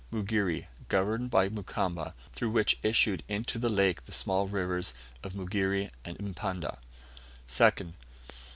Mugere, governed by Mukamba, through which issued into the lake the small rivers of Mugere and Mpanda. 2nd.